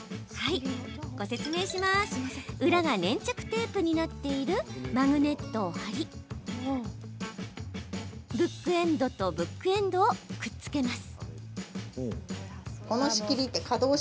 裏が粘着テープになっているマグネットを貼りブックエンドとブックエンドをくっつけます。